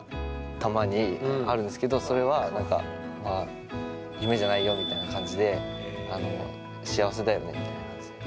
たまにあるんですけどそれは何かみたいな感じで幸せだよねみたいな感じですね。